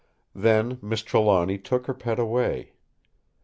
Then Miss Trelawny took her pet away.